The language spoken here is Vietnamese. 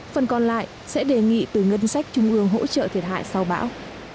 phần còn lại sẽ đề nghị từ ngân sách trung ương hỗ trợ thiệt hại sau bão